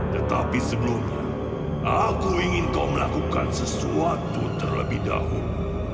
tetapi sebelumnya aku ingin kau melakukan sesuatu terlebih dahulu